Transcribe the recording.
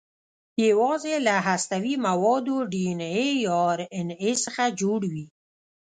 یواځې له هستوي موادو ډي ان اې یا ار ان اې څخه جوړ وي.